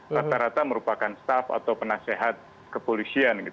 rata rata merupakan staff atau penasehat kepolisian